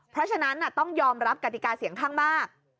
เพราะฉะนั้นต้องยอมรับกติกาเสียงข้างมาก